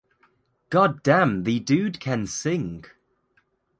Goddamn the dude can sing.